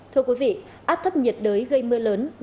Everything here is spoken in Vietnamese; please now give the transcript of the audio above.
thưa quý vị áp thấp nhiệt đới gây mưa lớn và thiệt hại nghiêm trọng